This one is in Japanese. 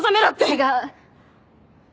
違う。